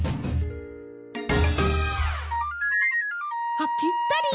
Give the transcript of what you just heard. あっぴったり！